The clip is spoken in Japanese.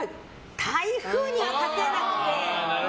台風には勝てなくて。